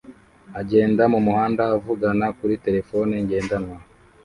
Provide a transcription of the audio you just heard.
agenda mumuhanda avugana kuri terefone ngendanwa